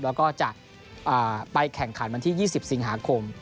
แล้วก็จะไปแข่งขันวันที่๒๐สิงหาคม